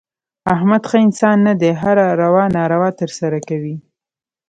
احمد ښه انسان نه دی. هره روا ناروا ترسه کوي.